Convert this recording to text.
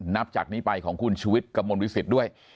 นับจากนี้ไปของคุณชูวิทย์กระมวลวิสิตด้วย